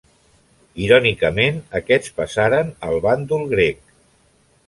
Irònicament, aquests passaren al bàndol grec.